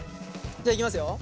じゃあいきますよ。